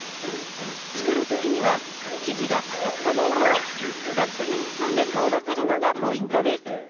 作る時には生地がパサつかないようラップに包んで凍らせるのがポイントです。